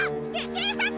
警察！